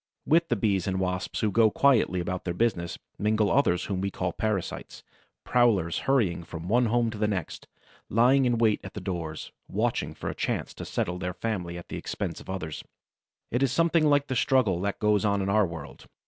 With the Bees and Wasps who go quietly about their business, mingle others whom we call parasites, prowlers hurrying from one home to the next, lying in wait at the doors, watching for a chance to settle their family at the expense of others. It is something like the struggle that goes on in our world.